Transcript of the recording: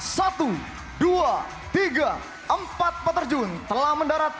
satu dua tiga empat peterjun telah mendarat